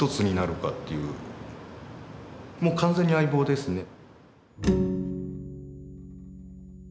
もう完全に相棒ですね。